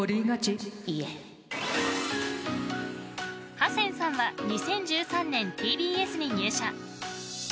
ハセンさんは２０１３年、ＴＢＳに入社。